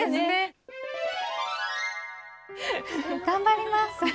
頑張ります。